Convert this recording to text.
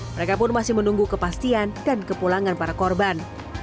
mereka pun masih menunggu kepastian dan kepulangan para korban